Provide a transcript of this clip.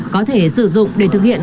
có thể sử dụng để thực hiện